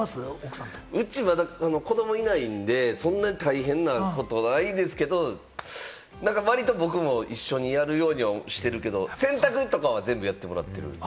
うちは子どもいないんで、そんな大変なことはないんですけれども、割と僕も一緒にやるようにはしてるけれども、洗濯とかは全部やってもらってる。